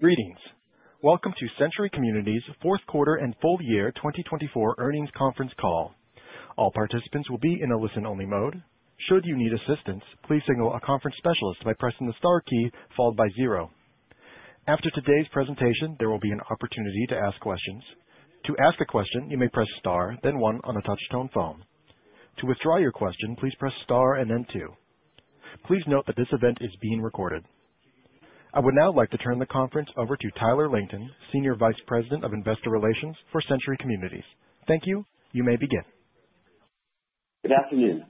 Greetings. Welcome to Century Communities' Q4 and full year 2024 Earnings Conference Call. All participants will be in a listen-only mode. Should you need assistance, please signal a conference specialist by pressing the star key followed by zero. After today's presentation, there will be an opportunity to ask questions. To ask a question, you may press star, then one on a touch-tone phone. To withdraw your question, please press star and then two. Please note that this event is being recorded. I would now like to turn the conference over to Tyler Langton, Senior Vice President of Investor Relations for Century Communities. Thank you. You may begin. Good afternoon.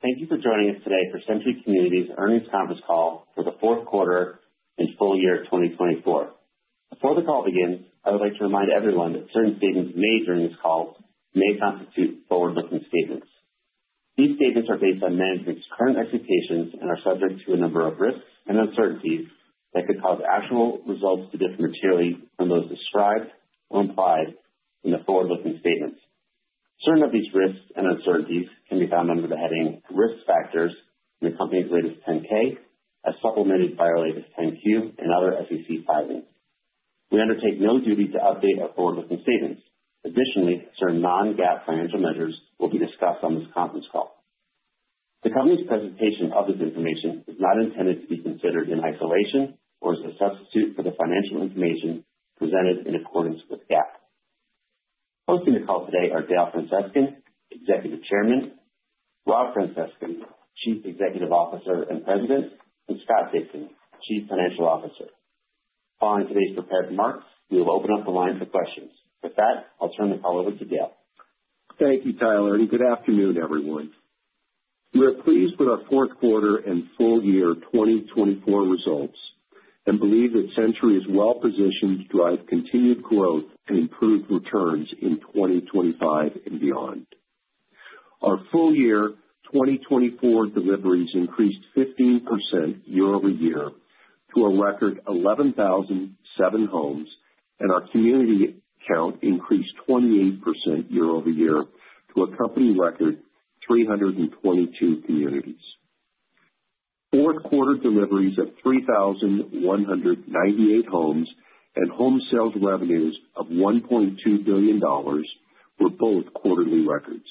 Thank you for joining us today for Century Communities' earnings conference call for the Q4 and full year 2024. Before the call begins, I would like to remind everyone that certain statements made during this call may constitute forward-looking statements. These statements are based on management's current expectations and are subject to a number of risks and uncertainties that could cause actual results to differ materially from those described or implied in the forward-looking statements. Certain of these risks and uncertainties can be found under the heading Risk Factors in the company's latest 10-K, as supplemented by our latest 10-Q and other SEC filings. We undertake no duty to update our forward-looking statements. Additionally, certain non-GAAP financial measures will be discussed on this conference call. The company's presentation of this information is not intended to be considered in isolation or as a substitute for the financial information presented in accordance with GAAP. Hosting the call today are Dale Francescon, Executive Chairman, Rob Francescon, Chief Executive Officer and President, and Scott Dixon, Chief Financial Officer. Following today's prepared remarks, we will open up the line for questions. With that, I'll turn the call over to Dale. Thank you, Tyler, and good afternoon, everyone. We are pleased with our Q4 and full year 2024 results and believe that Century is well positioned to drive continued growth and improved returns in 2025 and beyond. Our full year 2024 deliveries increased 15% year-over-year to a record 11,007 homes, and our community count increased 28% year-over-year to a company record 322 communities. Q4 deliveries of 3,198 homes and home sales revenues of $1.2 billion were both quarterly records.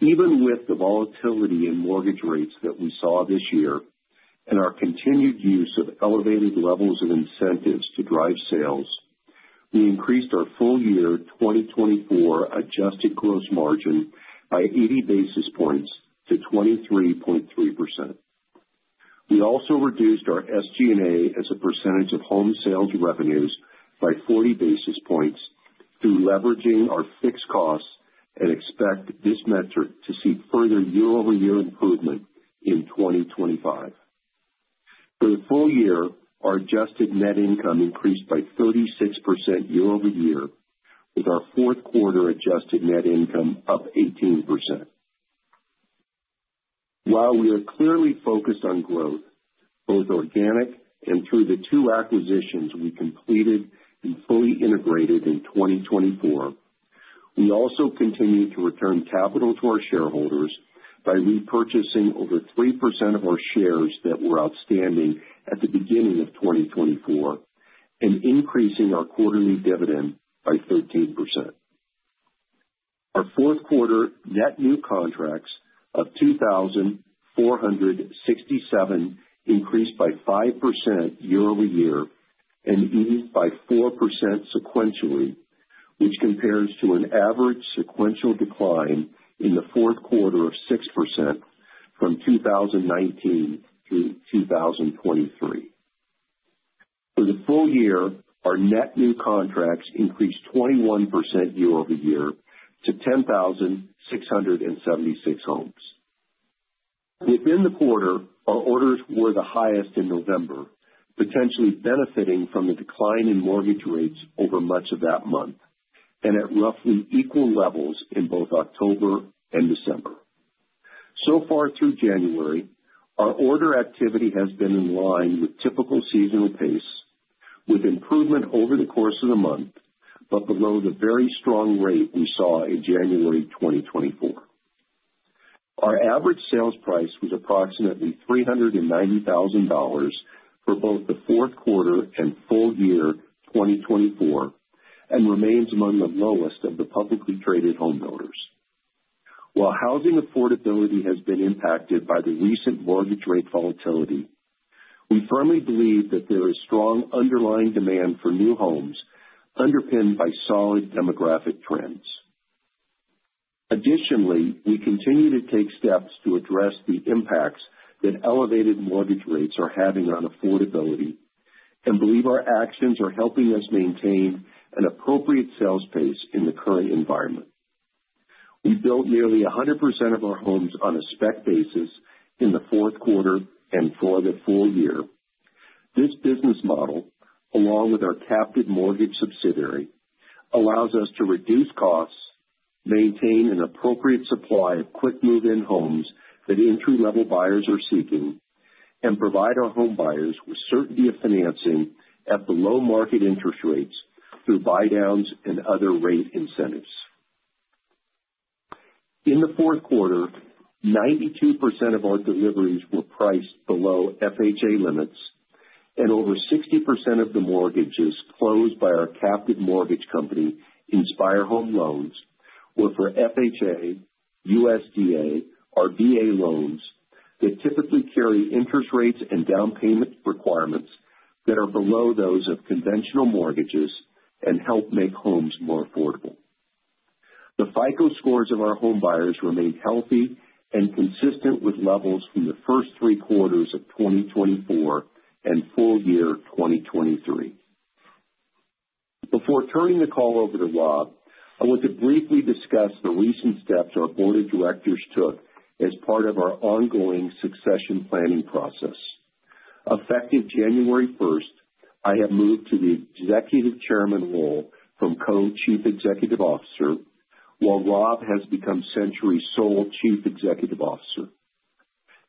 Even with the volatility in mortgage rates that we saw this year and our continued use of elevated levels of incentives to drive sales, we increased our full year 2024 adjusted gross margin by 80 basis points to 23.3%. We also reduced our SG&A as a percentage of home sales revenues by 40 basis points through leveraging our fixed costs and expect this metric to see further year-over-year improvement in 2025. For the full year, our adjusted net income increased by 36% year-over-year, with our Q4 adjusted net income up 18%. While we are clearly focused on growth, both organic and through the two acquisitions we completed and fully integrated in 2024, we also continue to return capital to our shareholders by repurchasing over 3% of our shares that were outstanding at the beginning of 2024 and increasing our quarterly dividend by 13%. Our Q4 net new contracts of 2,467 increased by 5% year-over-year and eased by 4% sequentially, which compares to an average sequential decline in the Q4 of 6% from 2019 to 2023. For the full year, our net new contracts increased 21% year-over-year to 10,676 homes. Within the quarter, our orders were the highest in November, potentially benefiting from the decline in mortgage rates over much of that month and at roughly equal levels in both October and December. So far through January, our order activity has been in line with typical seasonal pace, with improvement over the course of the month but below the very strong rate we saw in January 2024. Our average sales price was approximately $390,000 for both the Q4 and full year 2024 and remains among the lowest of the publicly traded home builders. While housing affordability has been impacted by the recent mortgage rate volatility, we firmly believe that there is strong underlying demand for new homes underpinned by solid demographic trends. Additionally, we continue to take steps to address the impacts that elevated mortgage rates are having on affordability and believe our actions are helping us maintain an appropriate sales pace in the current environment. We built nearly 100% of our homes on a spec basis in the Q4 and for the full year. This business model, along with our captive mortgage subsidiary, allows us to reduce costs, maintain an appropriate supply of quick move-in homes that entry-level buyers are seeking, and provide our home buyers with certainty of financing at below-market interest rates through buy-downs and other rate incentives. In the Q4, 92% of our deliveries were priced below FHA limits, and over 60% of the mortgages closed by our captive mortgage company, Inspire Home Loans, were for FHA, USDA, or VA loans that typically carry interest rates and down payment requirements that are below those of conventional mortgages and help make homes more affordable. The FICO scores of our home buyers remain healthy and consistent with levels from the first three quarters of 2024 and full year 2023. Before turning the call over to Rob, I want to briefly discuss the recent steps our board of directors took as part of our ongoing succession planning process. Effective January 1st, I have moved to the Executive Chairman role from Co-Chief Executive Officer, while Rob has become Century's sole Chief Executive Officer.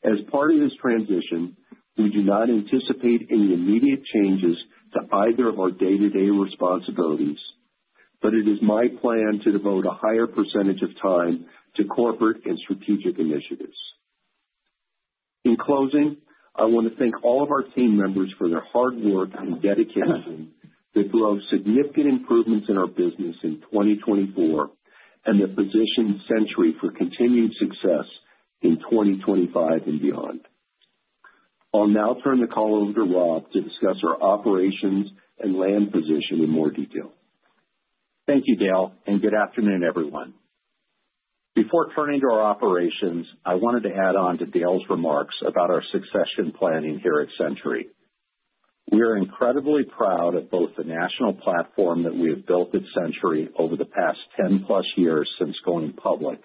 As part of this transition, we do not anticipate any immediate changes to either of our day-to-day responsibilities, but it is my plan to devote a higher percentage of time to corporate and strategic initiatives. In closing, I want to thank all of our team members for their hard work and dedication that drove significant improvements in our business in 2024 and that positioned Century for continued success in 2025 and beyond. I'll now turn the call over to Rob to discuss our operations and land position in more detail. Thank you, Dale, and good afternoon, everyone. Before turning to our operations, I wanted to add on to Dale's remarks about our succession planning here at Century. We are incredibly proud of both the national platform that we have built at Century over the past 10-plus years since going public,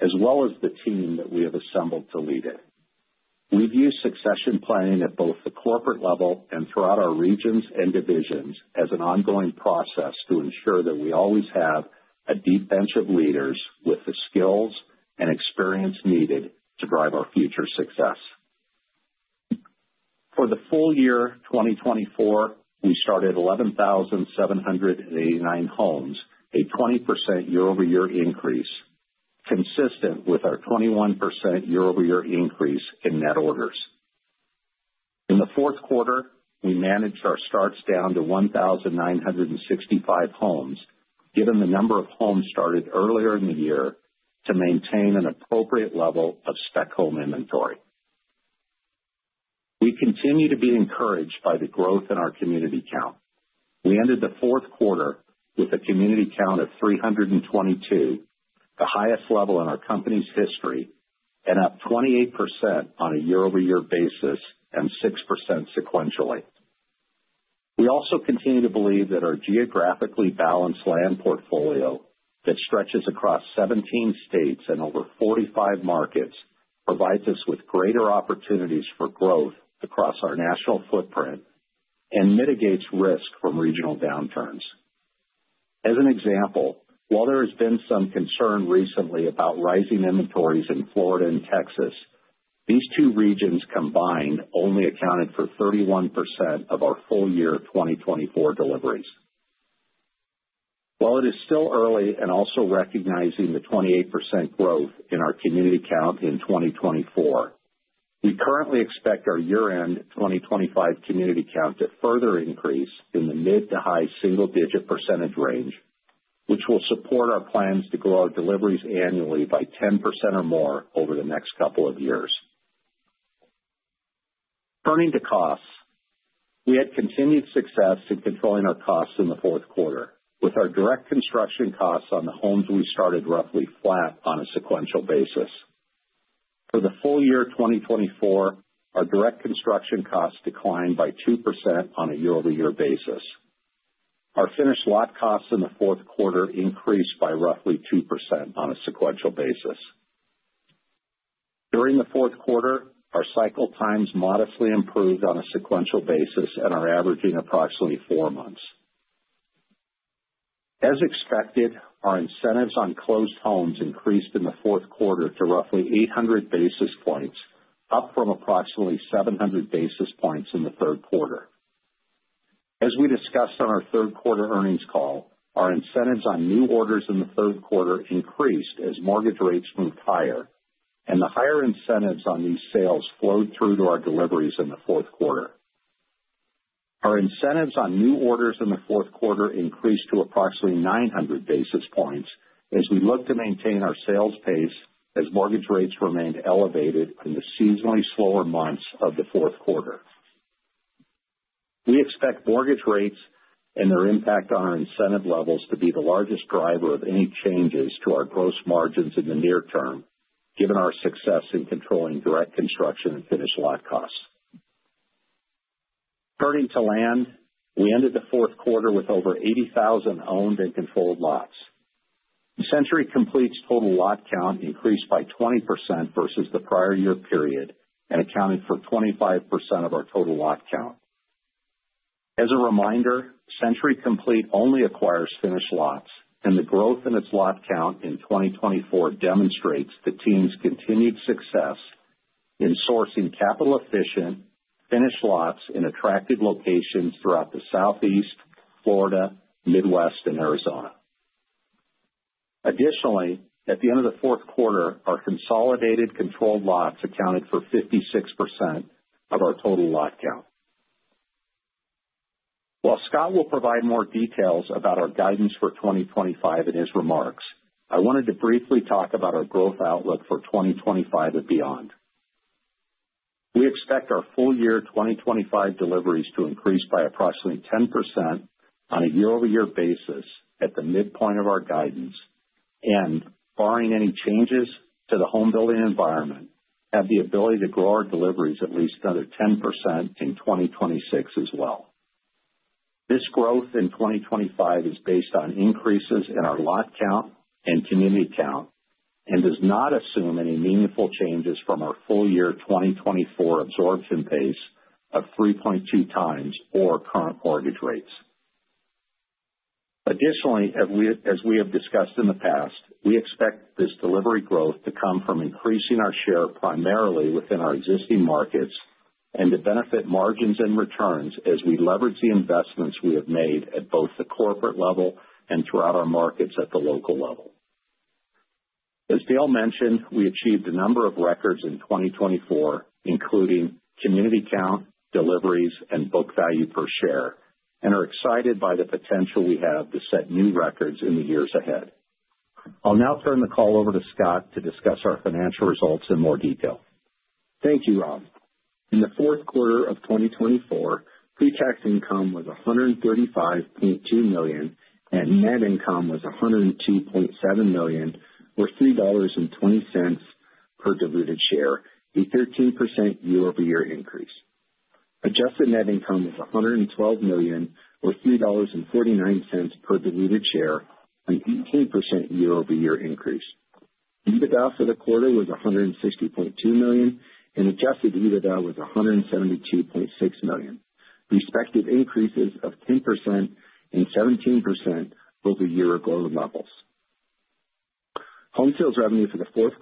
as well as the team that we have assembled to lead it. We've used succession planning at both the corporate level and throughout our regions and divisions as an ongoing process to ensure that we always have a deep bench of leaders with the skills and experience needed to drive our future success. For the full year 2024, we started 11,789 homes, a 20% year-over-year increase, consistent with our 21% year-over-year increase in net orders. In the Q4, we managed our starts down to 1,965 homes, given the number of homes started earlier in the year, to maintain an appropriate level of spec home inventory. We continue to be encouraged by the growth in our community count. We ended the Q4 with a community count of 322, the highest level in our company's history, and up 28% on a year-over-year basis and 6% sequentially. We also continue to believe that our geographically balanced land portfolio that stretches across 17 states and over 45 markets provides us with greater opportunities for growth across our national footprint and mitigates risk from regional downturns. As an example, while there has been some concern recently about rising inventories in Florida and Texas, these two regions combined only accounted for 31% of our full year 2024 deliveries. While it is still early, also recognizing the 28% growth in our community count in 2024, we currently expect our year-end 2025 community count to further increase in the mid to high single-digit percentage range, which will support our plans to grow our deliveries annually by 10% or more over the next couple of years. Turning to costs, we had continued success in controlling our costs in the Q4, with our direct construction costs on the homes we started roughly flat on a sequential basis. For the full year 2024, our direct construction costs declined by 2% on a year-over-year basis. Our finished lot costs in the Q4 increased by roughly 2% on a sequential basis. During the Q4, our cycle times modestly improved on a sequential basis and are averaging approximately four months. As expected, our incentives on closed homes increased in the Q4 to roughly 800 basis points, up from approximately 700 basis points in the Q3. As we discussed on our Q3 earnings call, our incentives on new orders in the Q3 increased as mortgage rates moved higher, and the higher incentives on these sales flowed through to our deliveries in the Q4. Our incentives on new orders in the Q4 increased to approximately 900 basis points as we looked to maintain our sales pace as mortgage rates remained elevated in the seasonally slower months of the Q4. We expect mortgage rates and their impact on our incentive levels to be the largest driver of any changes to our gross margins in the near term, given our success in controlling direct construction and finished lot costs. Turning to land, we ended the Q4 with over 80,000 owned and controlled lots. Century Complete's total lot count increased by 20% versus the prior year period and accounted for 25% of our total lot count. As a reminder, Century Complete only acquires finished lots, and the growth in its lot count in 2024 demonstrates the team's continued success in sourcing capital-efficient finished lots in attractive locations throughout the Southeast, Florida, Midwest, and Arizona. Additionally, at the end of the Q4, our consolidated controlled lots accounted for 56% of our total lot count. While Scott will provide more details about our guidance for 2025 in his remarks, I wanted to briefly talk about our growth outlook for 2025 and beyond. We expect our full year 2025 deliveries to increase by approximately 10% on a year-over-year basis at the midpoint of our guidance, and, barring any changes to the home building environment, have the ability to grow our deliveries at least another 10% in 2026 as well. This growth in 2025 is based on increases in our lot count and community count and does not assume any meaningful changes from our full year 2024 absorption pace of 3.2 times our current mortgage rates. Additionally, as we have discussed in the past, we expect this delivery growth to come from increasing our share primarily within our existing markets and to benefit margins and returns as we leverage the investments we have made at both the corporate level and throughout our markets at the local level. As Dale mentioned, we achieved a number of records in 2024, including community count, deliveries, and book value per share, and are excited by the potential we have to set new records in the years ahead. I'll now turn the call over to Scott to discuss our financial results in more detail. Thank you, Rob. In the Q4 of 2024, pre-tax income was $135.2 million, and net income was $102.7 million, or $3.20 per diluted share, a 13% year-over-year increase. Adjusted net income was $112 million, or $3.49 per diluted share, an 18% year-over-year increase. EBITDA for the quarter was $160.2 million, and adjusted EBITDA was $172.6 million, respective increases of 10% and 17% over year-over-year levels. Home sales revenue for the Q4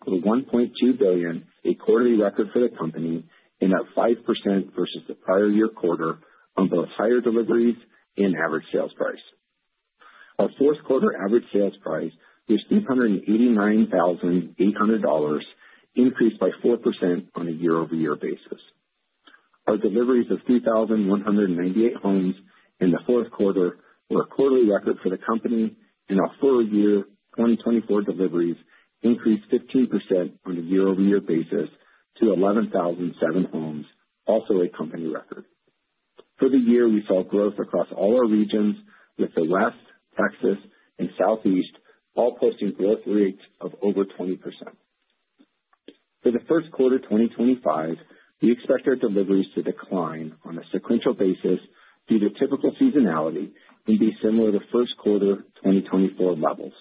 grew $1.2 billion, a quarterly record for the company, and up 5% versus the prior year quarter on both higher deliveries and average sales price. Our Q4 average sales price was $389,800, increased by 4% on a year-over-year basis. Our deliveries of 3,198 homes in the Q4 were a quarterly record for the company, and our full year 2024 deliveries increased 15% on a year-over-year basis to 11,007 homes, also a company record. For the year, we saw growth across all our regions, with the West, Texas, and Southeast all posting growth rates of over 20%. For the Q1 2025, we expect our deliveries to decline on a sequential basis due to typical seasonality and be similar to Q1 2024 levels.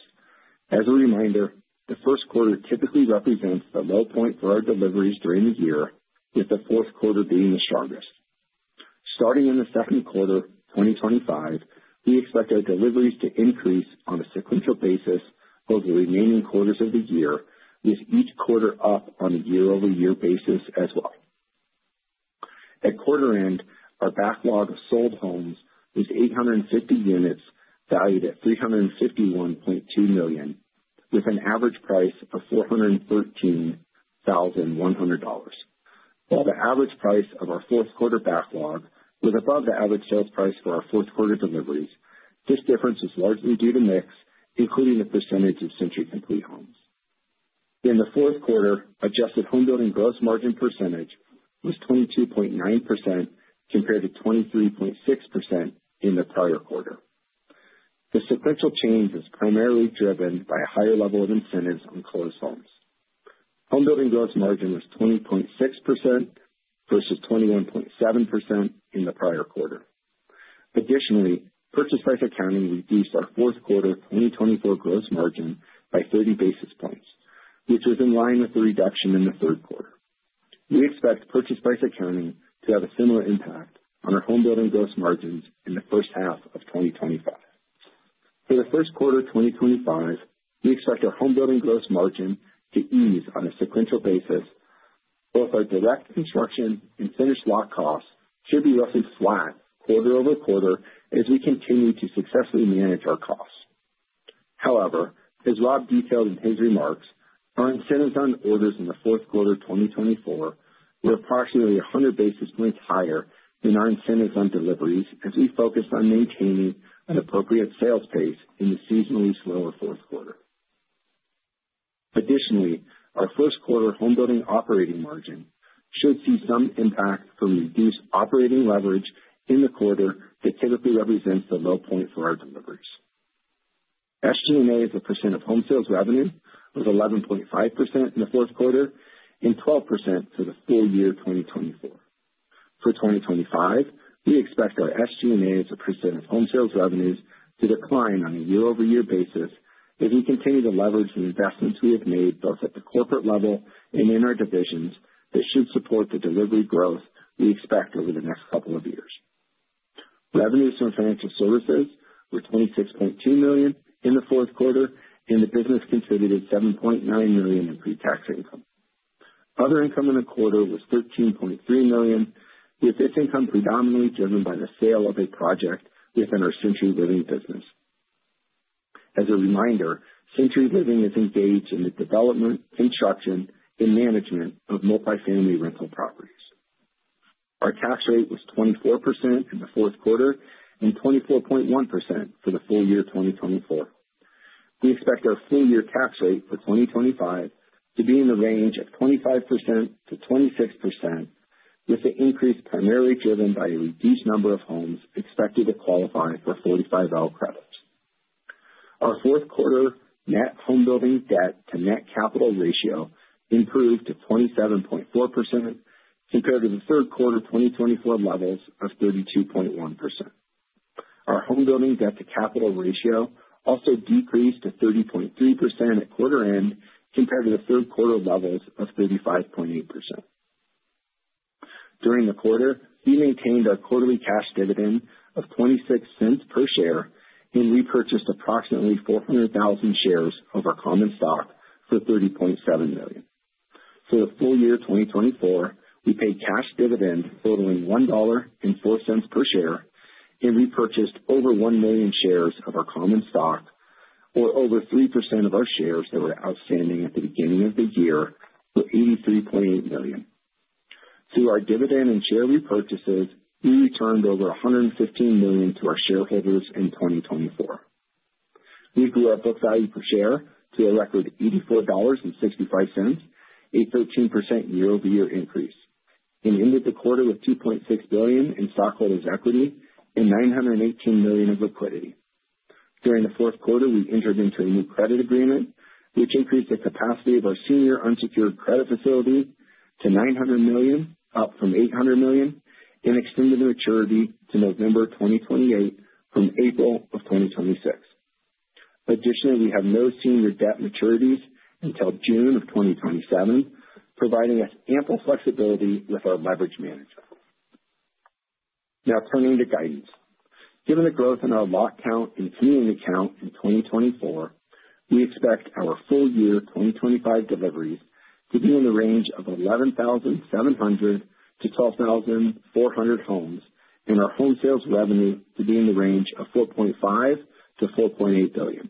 As a reminder, the Q1 typically represents the low point for our deliveries during the year, with the Q4 being the strongest. Starting in the Q2 2025, we expect our deliveries to increase on a sequential basis over the remaining quarters of the year, with each quarter up on a year-over-year basis as well. At quarter end, our backlog of sold homes was 850 units, valued at $351.2 million, with an average price of $413,100. While the average price of our Q4 backlog was above the average sales price for our Q4 deliveries, this difference is largely due to mix, including the percentage of Century Complete homes. In the Q4, adjusted home building gross margin percentage was 22.9% compared to 23.6% in the prior quarter. The sequential change is primarily driven by a higher level of incentives on closed homes. Home building gross margin was 20.6% versus 21.7% in the prior quarter. Additionally, purchase price accounting reduced our Q4 2024 gross margin by 30 basis points, which was in line with the reduction in the Q3. We expect purchase price accounting to have a similar impact on our home building gross margins in the first half of 2025. For the Q1 2025, we expect our home building gross margin to ease on a sequential basis. Both our direct construction and finished lot costs should be roughly flat quarter-over-quarter as we continue to successfully manage our costs. However, as Rob detailed in his remarks, our incentives on orders in the Q4 2024 were approximately 100 basis points higher than our incentives on deliveries as we focused on maintaining an appropriate sales pace in the seasonally slower Q4. Additionally, our Q1 home building operating margin should see some impact from reduced operating leverage in the quarter that typically represents the low point for our deliveries. SG&A is a percent of home sales revenue, with 11.5% in the Q4 and 12% for the full year 2024. For 2025, we expect our SG&A as a percent of home sales revenues to decline on a year-over-year basis as we continue to leverage the investments we have made both at the corporate level and in our divisions that should support the delivery growth we expect over the next couple of years. Revenues from financial services were $26.2 million in the Q4, and the business contributed $7.9 million in pre-tax income. Other income in the quarter was $13.3 million, with this income predominantly driven by the sale of a project within our Century Living business. As a reminder, Century Living is engaged in the development, construction, and management of multifamily rental properties. Our tax rate was 24% in the Q4 and 24.1% for the full year 2024. We expect our full year tax rate for 2025 to be in the range of 25% to 26%, with the increase primarily driven by a reduced number of homes expected to qualify for 45L credits. Our Q4 net home building debt to net capital ratio improved to 27.4% compared to the Q3 2024 levels of 32.1%. Our home building debt to capital ratio also decreased to 30.3% at quarter end compared to the Q3 levels of 35.8%. During the quarter, we maintained our quarterly cash dividend of $0.26 per share and repurchased approximately 400,000 shares of our common stock for $30.7 million. For the full year 2024, we paid cash dividend totaling $1.04 per share and repurchased over one million shares of our common stock, or over 3% of our shares that were outstanding at the beginning of the year for $83.8 million. Through our dividend and share repurchases, we returned over $115 million to our shareholders in 2024. We grew our book value per share to a record $84.65, a 13% year-over-year increase, and ended the quarter with $2.6 billion in stockholders' equity and $918 million of liquidity. During the Q4, we entered into a new credit agreement, which increased the capacity of our senior unsecured credit facility to $900 million, up from $800 million, and extended the maturity to November 2028 from April of 2026. Additionally, we have no senior debt maturities until June of 2027, providing us ample flexibility with our leverage management. Now, turning to guidance. Given the growth in our lot count and community count in 2024, we expect our full year 2025 deliveries to be in the range of 11,700 to 12,400 homes and our home sales revenue to be in the range of $4.5 billion-$4.8 billion.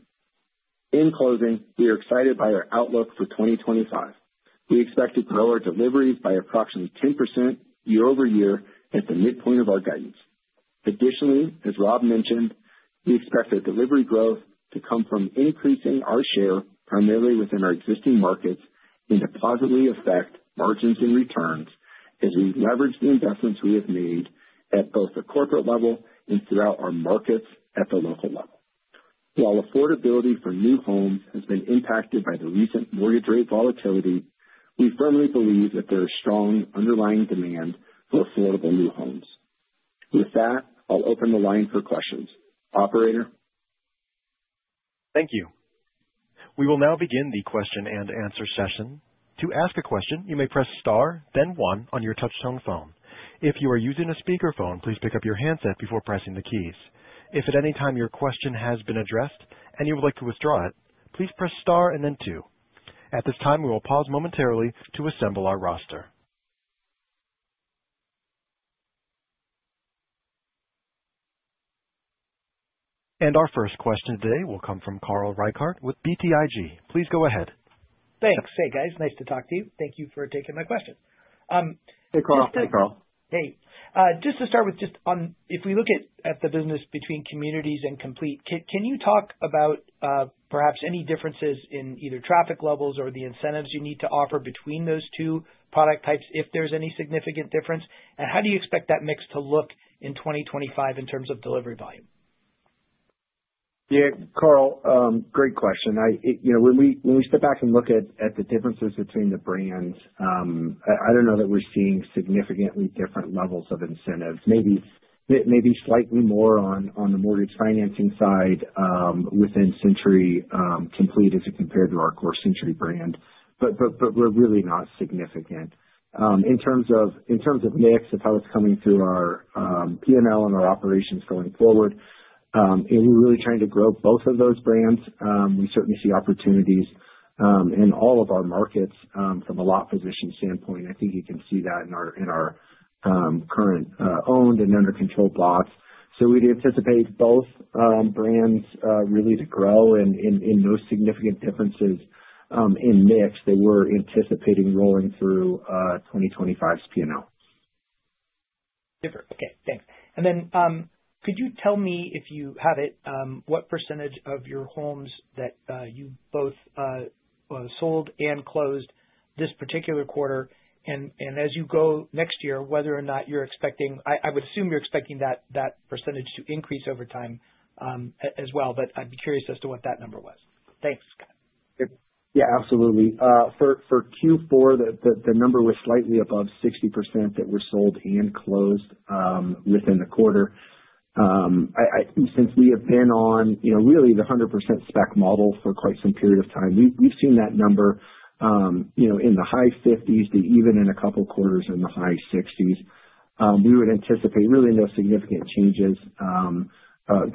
In closing, we are excited by our outlook for 2025. We expect to grow our deliveries by approximately 10% year-over-year at the midpoint of our guidance. Additionally, as Rob mentioned, we expect our delivery growth to come from increasing our share primarily within our existing markets and to positively affect margins and returns as we leverage the investments we have made at both the corporate level and throughout our markets at the local level. While affordability for new homes has been impacted by the recent mortgage rate volatility, we firmly believe that there is strong underlying demand for affordable new homes. With that, I'll open the line for questions. Operator. Thank you. We will now begin the question and answer session. To ask a question, you may press star, then one on your touch-tone phone. If you are using a speakerphone, please pick up your handset before pressing the keys. If at any time your question has been addressed and you would like to withdraw it, please press star and then two. At this time, we will pause momentarily to assemble our roster. Our first question today will come from Carl Reichardt with BTIG. Please go ahead. Thanks. Hey, guys. Nice to talk to you. Thank you for taking my question. Hey, Carl. Hey, Carl. Hey. Just to start with, just on if we look at the business between communities and Complete, can you talk about perhaps any differences in either traffic levels or the incentives you need to offer between those two product types if there's any significant difference? And how do you expect that mix to look in 2025 in terms of delivery volume? Yeah, Carl, great question. When we sit back and look at the differences between the brands, I don't know that we're seeing significantly different levels of incentives. Maybe slightly more on the mortgage financing side within Century Complete as it compared to our core Century brand, but we're really not significant. In terms of mix, if I was coming through our P&L and our operations going forward, we're really trying to grow both of those brands. We certainly see opportunities in all of our markets from a lot position standpoint. I think you can see that in our current owned and under-controlled lots. So we'd anticipate both brands really to grow and no significant differences in mix that we're anticipating rolling through 2025's P&L. Different. Okay. Thanks. And then could you tell me, if you have it, what percentage of your homes that you both sold and closed this particular quarter? And as you go next year, whether or not you're expecting I would assume you're expecting that percentage to increase over time as well, but I'd be curious as to what that number was. Thanks, Scott. Yeah, absolutely. For Q4, the number was slightly above 60% that were sold and closed within the quarter. Since we have been on really the 100% spec model for quite some period of time, we've seen that number in the high 50s to even in a couple quarters in the high 60s. We would anticipate really no significant changes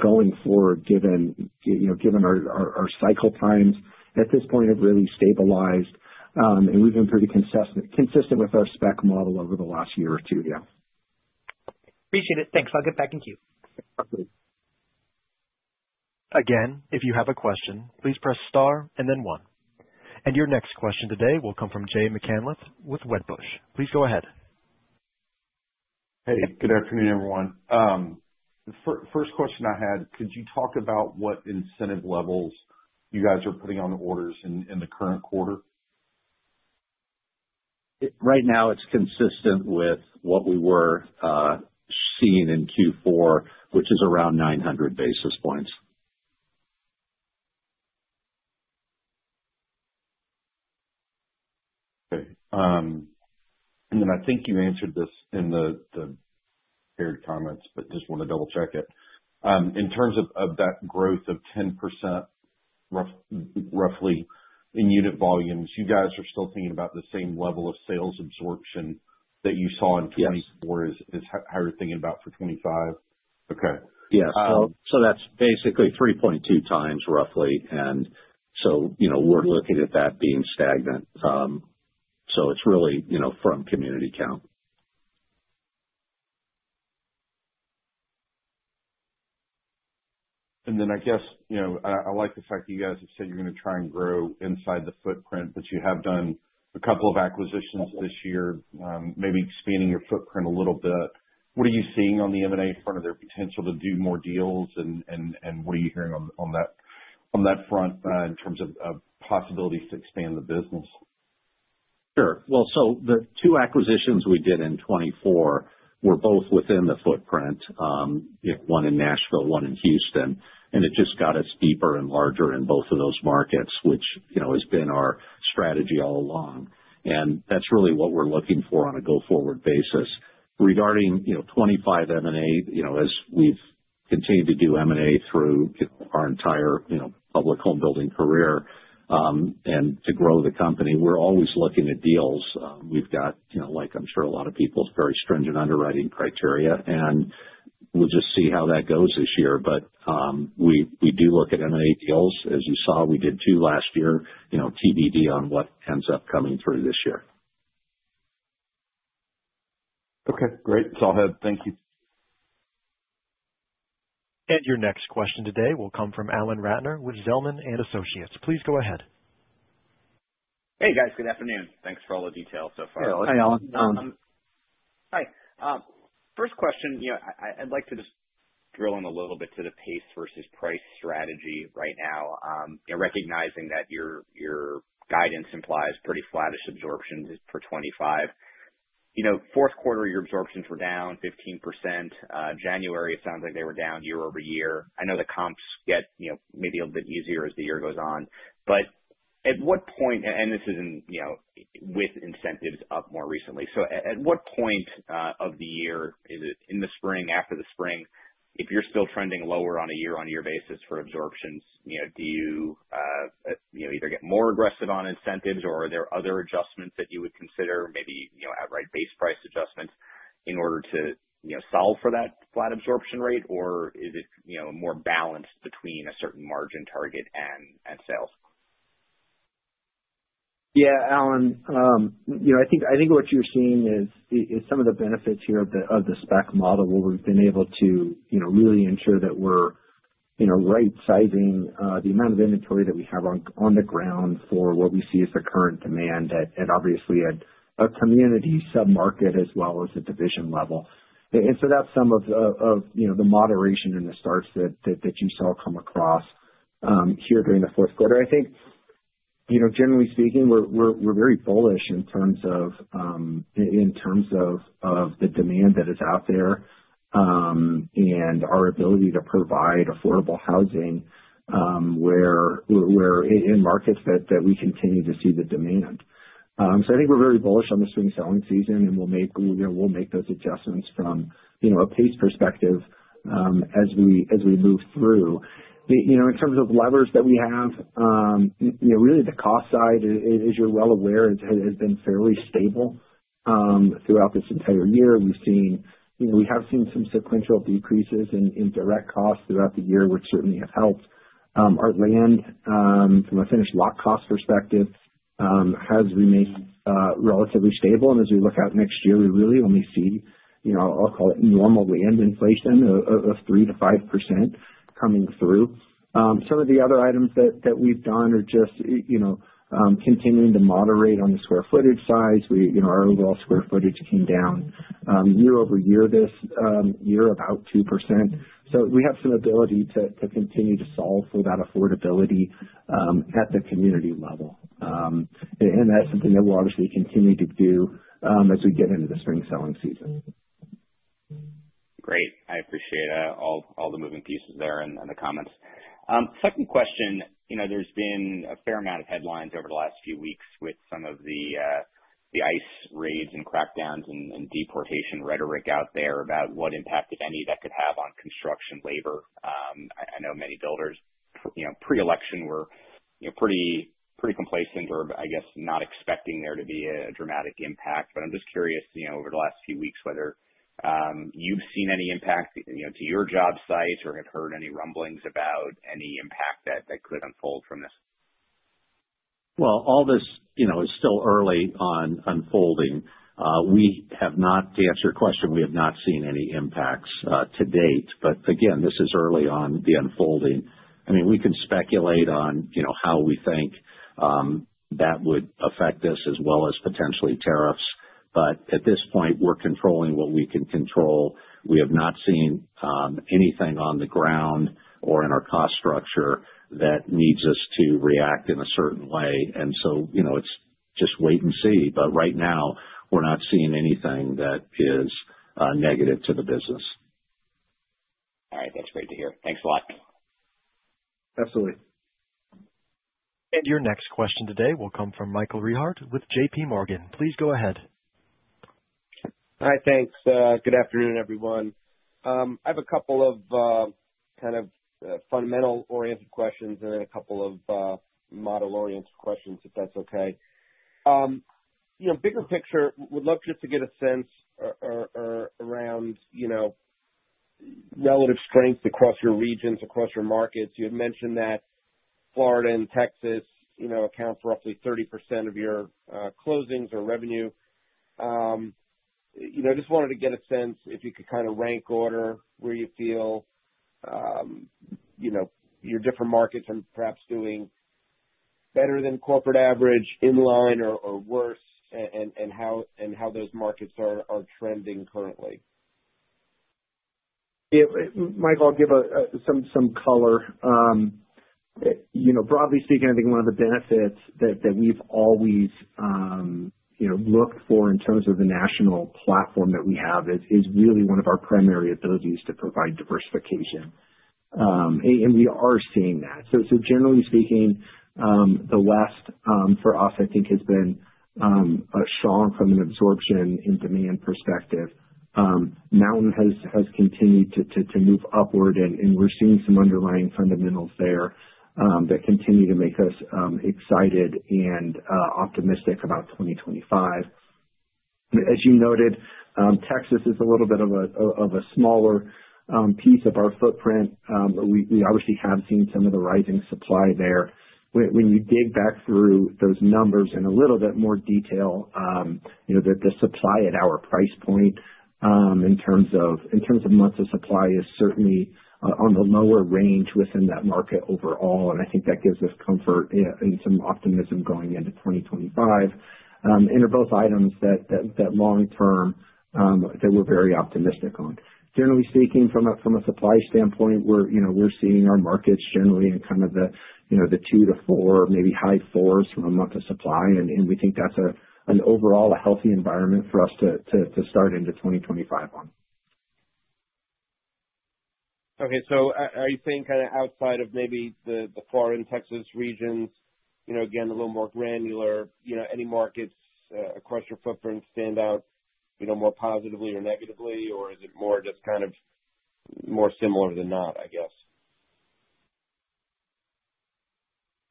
going forward given our cycle times. At this point, it really stabilized, and we've been pretty consistent with our spec model over the last year or two. Yeah. Appreciate it. Thanks. I'll get back in queue. Again, if you have a question, please press star and then one. And your next question today will come from Jay McCanless with Wedbush. Please go ahead. Hey, good afternoon, everyone. The first question I had, could you talk about what incentive levels you guys are putting on the orders in the current quarter? Right now, it's consistent with what we were seeing in Q4, which is around 900 basis points. Okay. And then I think you answered this in the paired comments, but just want to double-check it. In terms of that growth of roughly 10% in unit volumes, you guys are still thinking about the same level of sales absorption that you saw in 2024? Is how you're thinking about for 2025? Okay. Yeah. So that's basically 3.2 times roughly. And so we're looking at that being stagnant. So it's really from community count. And then I guess I like the fact that you guys have said you're going to try and grow inside the footprint, but you have done a couple of acquisitions this year, maybe expanding your footprint a little bit. What are you seeing on the M&A front or their potential to do more deals, and what are you hearing on that front in terms of possibilities to expand the business? Sure. Well, so the two acquisitions we did in 2024 were both within the footprint, one in Nashville, one in Houston, and it just got us deeper and larger in both of those markets, which has been our strategy all along, and that's really what we're looking for on a go-forward basis. Regarding 2025 M&A, as we've continued to do M&A through our entire public home building career and to grow the company, we're always looking at deals. We've got, like I'm sure a lot of people, very stringent underwriting criteria, and we'll just see how that goes this year, but we do look at M&A deals. As you saw, we did two last year. TBD on what ends up coming through this year. Okay. Great. That's all I have. Thank you. And your next question today will come from Alan Ratner with Zelman & Associates. Please go ahead. Hey, guys. Good afternoon. Thanks for all the details so far. Yeah. Hi, Alan. Hi. First question, I'd like to just drill in a little bit to the pace versus price strategy right now, recognizing that your guidance implies pretty flattish absorptions for 2025. Q4, your absorptions were down 15%. January, it sounds like they were down year-over-year. I know the comps get maybe a little bit easier as the year goes on. But at what point, and this is with incentives up more recently, so at what point of the year is it in the spring, after the spring, if you're still trending lower on a year-on-year basis for absorptions, do you either get more aggressive on incentives, or are there other adjustments that you would consider, maybe outright base price adjustments in order to solve for that flat absorption rate, or is it more balanced between a certain margin target and sales? Yeah, Alan. I think what you're seeing is some of the benefits here of the spec model where we've been able to really ensure that we're right-sizing the amount of inventory that we have on the ground for what we see as the current demand and obviously at a community sub-market as well as a division level. And so that's some of the moderation and the starts that you saw come across here during the Q4. I think, generally speaking, we're very bullish in terms of the demand that is out there and our ability to provide affordable housing in markets that we continue to see the demand. So I think we're very bullish on the spring selling season, and we'll make those adjustments from a pace perspective as we move through. In terms of levers that we have, really the cost side, as you're well aware, has been fairly stable throughout this entire year. We have seen some sequential decreases in direct costs throughout the year, which certainly have helped. Our land, from a finished lot cost perspective, has remained relatively stable. And as we look out next year, we really only see, I'll call it normal land inflation of 3%-5% coming through. Some of the other items that we've done are just continuing to moderate on the square footage size. Our overall square footage came down year-over-year this year about 2%. So we have some ability to continue to solve for that affordability at the community level. And that's something that we'll obviously continue to do as we get into the spring selling season. Great. I appreciate all the moving pieces there and the comments. Second question, there's been a fair amount of headlines over the last few weeks with some of the ICE raids and crackdowns and deportation rhetoric out there about what impact, if any, that could have on construction labor. I know many builders pre-election were pretty complacent or, I guess, not expecting there to be a dramatic impact. But I'm just curious over the last few weeks whether you've seen any impact to your job sites or have heard any rumblings about any impact that could unfold from this. All this is still early on unfolding. To answer your question, we have not seen any impacts to date. But again, this is early on the unfolding. I mean, we can speculate on how we think that would affect this as well as potentially tariffs. But at this point, we're controlling what we can control. We have not seen anything on the ground or in our cost structure that needs us to react in a certain way. And so it's just wait and see. But right now, we're not seeing anything that is negative to the business. All right. That's great to hear. Thanks a lot. Absolutely. And your next question today will come from Michael Rehaut with J.P. Morgan. Please go ahead. Hi. Thanks. Good afternoon, everyone. I have a couple of kind of fundamental-oriented questions and then a couple of model-oriented questions, if that's okay. Bigger picture, would love just to get a sense around relative strength across your regions, across your markets. You had mentioned that Florida and Texas account for roughly 30% of your closings or revenue. I just wanted to get a sense if you could kind of rank order where you feel your different markets are perhaps doing better than corporate average in line or worse and how those markets are trending currently? Yeah. Michael, I'll give some color. Broadly speaking, I think one of the benefits that we've always looked for in terms of the national platform that we have is really one of our primary abilities to provide diversification. And we are seeing that. So generally speaking, the West for us, I think, has been strong from an absorption and demand perspective. Mountain has continued to move upward, and we're seeing some underlying fundamentals there that continue to make us excited and optimistic about 2025. As you noted, Texas is a little bit of a smaller piece of our footprint. We obviously have seen some of the rising supply there. When you dig back through those numbers in a little bit more detail, the supply at our price point in terms of months of supply is certainly on the lower range within that market overall. I think that gives us comfort and some optimism going into 2025. They're both items that long-term that we're very optimistic on. Generally speaking, from a supply standpoint, we're seeing our markets generally in kind of the two-four, maybe high fours months of supply. We think that's an overall healthy environment for us to start into 2025 on. Okay. So are you saying kind of outside of maybe the Florida and Texas regions, again, a little more granular, any markets across your footprint stand out more positively or negatively, or is it more just kind of more similar than not, I guess?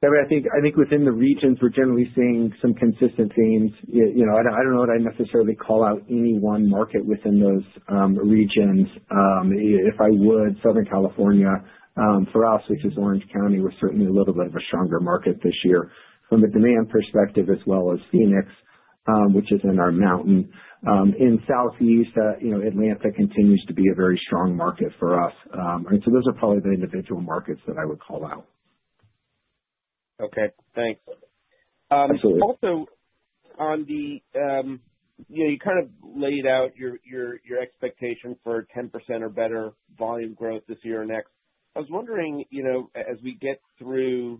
I think within the regions, we're generally seeing some consistent themes. I don't know that I necessarily call out any one market within those regions. If I would, Southern California, for us, which is Orange County, we're certainly a little bit of a stronger market this year from a demand perspective as well as Phoenix, which is in our Mountain. In Southeast, Atlanta continues to be a very strong market for us, and so those are probably the individual markets that I would call out. Okay. Thanks. Absolutely. Also, on the you kind of laid out your expectation for 10% or better volume growth this year or next. I was wondering, as we get through,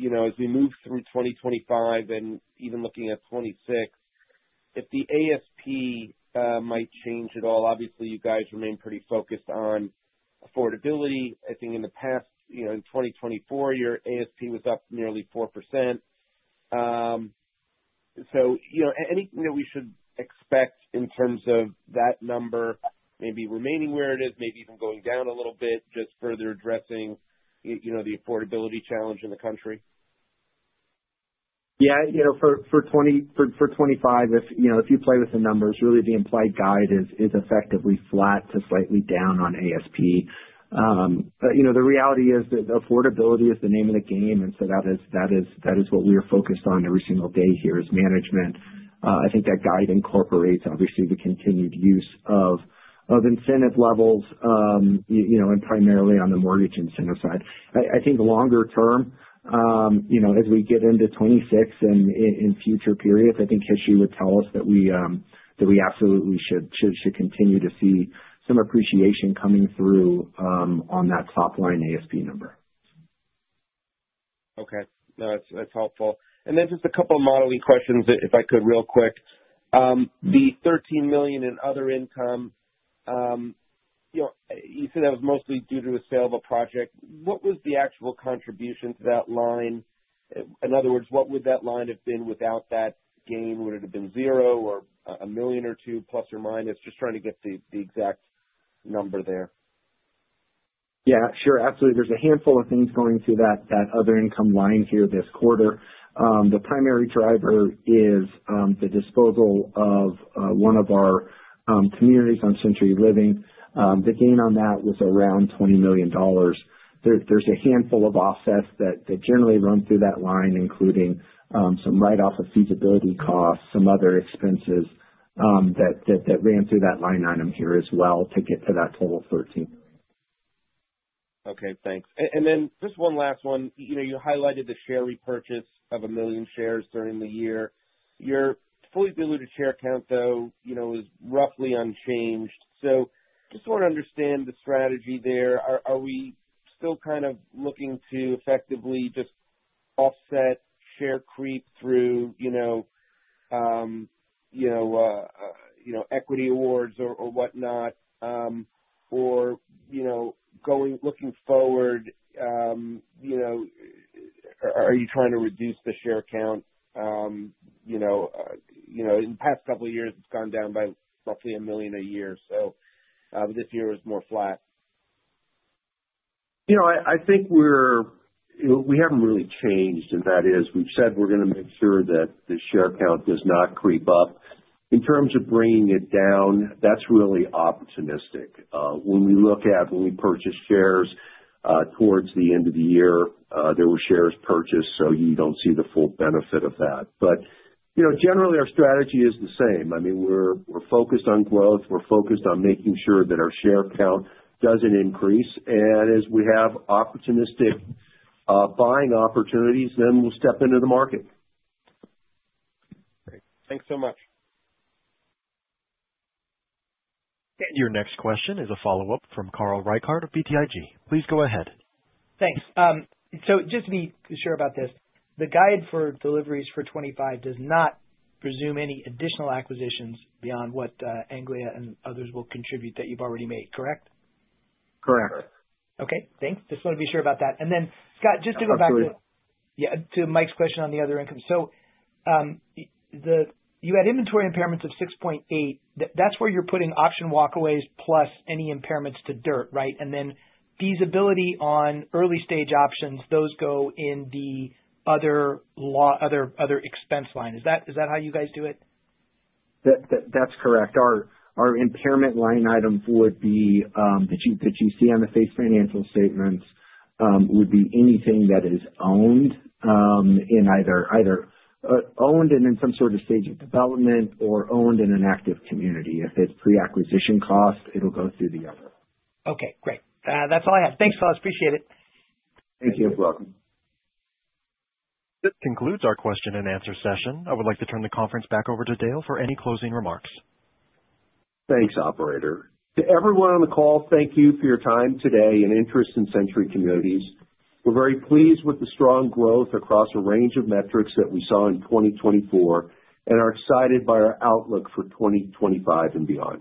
as we move through 2025 and even looking at 2026, if the ASP might change at all. Obviously, you guys remain pretty focused on affordability. I think in the past, in 2024, your ASP was up nearly 4%. So anything that we should expect in terms of that number maybe remaining where it is, maybe even going down a little bit, just further addressing the affordability challenge in the country? Yeah. For 2025, if you play with the numbers, really the implied guide is effectively flat to slightly down on ASP. But the reality is that affordability is the name of the game. And so that is what we are focused on every single day here as management. I think that guide incorporates, obviously, the continued use of incentive levels and primarily on the mortgage incentive side. I think longer term, as we get into 2026 and future periods, I think history would tell us that we absolutely should continue to see some appreciation coming through on that top-line ASP number. Okay. No, that's helpful. And then just a couple of modeling questions, if I could, real quick. The $13 million in other income, you said that was mostly due to the sale of a project. What was the actual contribution to that line? In other words, what would that line have been without that gain? Would it have been zero or a million or two, plus or minus? Just trying to get the exact number there. Yeah. Sure. Absolutely. There's a handful of things going through that other income line here this quarter. The primary driver is the disposal of one of our communities on Century Living. The gain on that was around $20 million. There's a handful of offsets that generally run through that line, including some write-off of feasibility costs, some other expenses that ran through that line item here as well to get to that total of 13. Okay. Thanks, and then just one last one. You highlighted the share repurchase of a million shares during the year. Your fully diluted share count, though, is roughly unchanged, so just want to understand the strategy there. Are we still kind of looking to effectively just offset share creep through equity awards or whatnot, or looking forward, are you trying to reduce the share count? In the past couple of years, it's gone down by roughly a million a year, so this year was more flat. I think we haven't really changed, and that is we've said we're going to make sure that the share count does not creep up. In terms of bringing it down, that's really optimistic. When we look at when we purchase shares towards the end of the year, there were shares purchased, so you don't see the full benefit of that. But generally, our strategy is the same. I mean, we're focused on growth. We're focused on making sure that our share count doesn't increase. And as we have opportunistic buying opportunities, then we'll step into the market. Great. Thanks so much. Your next question is a follow-up from Carl Reichardt of BTIG. Please go ahead. Thanks. So just to be sure about this, the guidance for deliveries for 2025 does not presume any additional acquisitions beyond what Anglia and others will contribute that you've already made, correct? Correct. Okay. Thanks. Just wanted to be sure about that. And then, Scott, just to go back to. Absolutely. Yeah, to Mike's question on the other income. So you had inventory impairments of $6.8. That's where you're putting auction walkaways plus any impairments to dirt, right? And then feasibility on early-stage options, those go in the other expense line. Is that how you guys do it? That's correct. Our impairment line item would be that you see on the face of the financial statements would be anything that is owned either in some sort of stage of development or in an active community. If it's pre-acquisition cost, it'll go through the other. Okay. Great. That's all I had. Thanks, fellas. Appreciate it. Thank you. You're welcome. This concludes our question and answer session. I would like to turn the conference back over to Dale for any closing remarks. Thanks, operator. To everyone on the call, thank you for your time today and interest in Century Communities. We're very pleased with the strong growth across a range of metrics that we saw in 2024 and are excited by our outlook for 2025 and beyond.